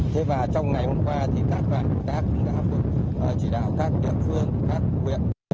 thế và trong ngày hôm qua thì các đoàn công tác đã chỉ đạo các địa phương các huyện